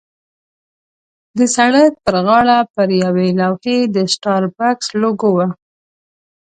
د سړک پر غاړه پر یوې لوحې د سټاربکس لوګو وه.